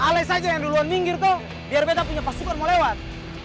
ales aja yang duluan minggir tuh biar kita punya pasukan mau lewat